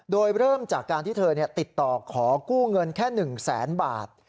โดยเริ่มจากการที่เธอติดต่อขอกู้เงินแค่๑แสนบาท